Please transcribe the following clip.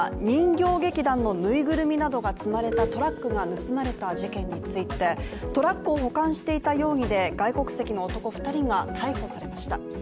人形劇団のぬいぐるみなどが積まれたトラックが盗まれた事件について、トラックを保管していた容疑で、外国籍の男２人が逮捕されました。